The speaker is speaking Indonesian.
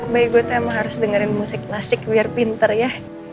baik gue tuh emang harus dengerin musik klasik biar pinter ya